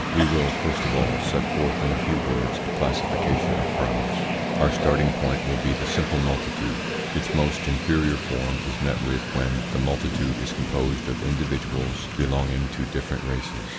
We will, first of all, set forth in a few words a classification of crowds. Our starting point will be the simple multitude. Its most inferior form is met with when the multitude is composed of individuals belonging to different races.